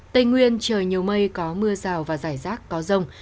tây nguyên trời nhiều mây có mưa rào và rải rác có rông